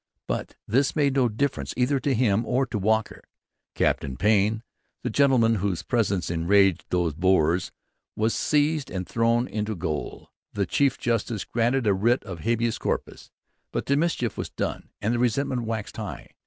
But this made no difference either to him or to Walker. Captain Payne, the gentleman whose presence enraged these boors, was seized and thrown into gaol. The chief justice granted a writ of habeas corpus. But the mischief was done and resentment waxed high.